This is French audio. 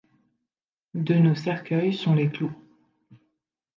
De nos cercueils sont les clous.